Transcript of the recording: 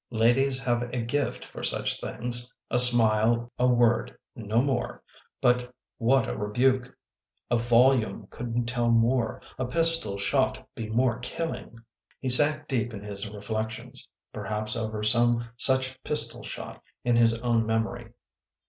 Ladies have a gift for such things. A smile, a word, no more; but what a rebuke! A volume couldn t tell more, a pistol shot be more killing." He sank deep in his reflections, perhaps over some such pistol shot in his own memory.